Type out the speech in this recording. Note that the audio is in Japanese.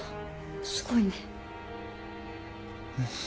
すごいね。